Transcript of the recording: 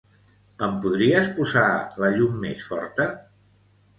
Em podries posar la llum més forta?